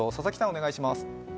お願いします。